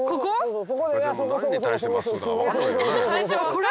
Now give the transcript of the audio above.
これ？